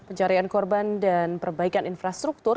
pencarian korban dan perbaikan infrastruktur